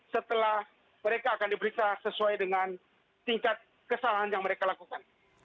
setelah mereka akan diperiksa sesuai dengan tingkat kesalahan yang mereka lakukan